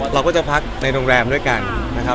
เราก็จะพักในโรงแรมด้วยกันนะครับ